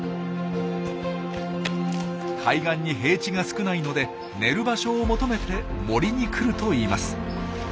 海岸に平地が少ないので寝る場所を求めて森に来るといいます。